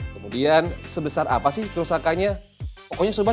kemudian sebesar apa sih kerusakannya